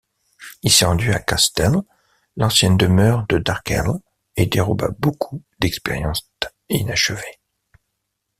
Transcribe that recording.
Il se rendit à Casthell, l'ancienne demeure de Darkhell, et déroba beaucoup d'expériences inachevées.